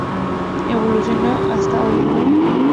Evolucionó hasta hoy en día.